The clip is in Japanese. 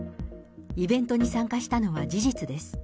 イベントに参加したのは事実です。